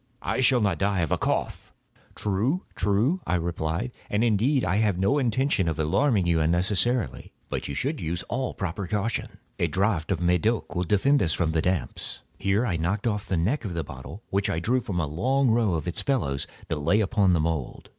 I shall not die of a cough." "True—true," I replied; "and, indeed, I had no intention of alarming you unnecessarily—but you should use all proper caution. A draught of this Medoc will defend us from the damps." Here I knocked off the neck of a bottle which I drew from a long row of its fellows that lay upon the mould.